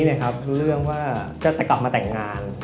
รู้เรื่องว่าจะกลับมาแต่งงาน